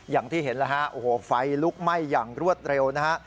อย่างที่เห็นนะฮะไฟลุกไหม้อย่างรวดเร็วนะฮะ